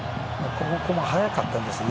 ここも速かったんですよね。